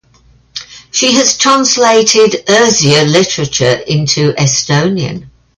She has translated Erzya literature into Estonian.